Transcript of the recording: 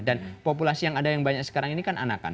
dan populasi yang ada yang banyak sekarang ini kan anakan